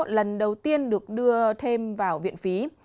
lần đầu tiên được đưa thêm vào viện phí